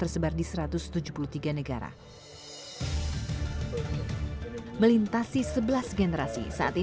membebaskan wanita dari